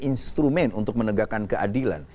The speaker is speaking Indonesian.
instrumen untuk menegakkan keadilan